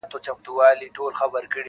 • هسي نه چي مي د پښو له لاسه مات سم -